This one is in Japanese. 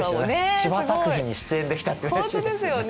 ちば作品に出演できたってうれしいですよね。